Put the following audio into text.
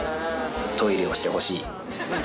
トイレをしてほしい。